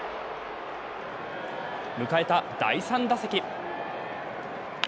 迎えた第３打席。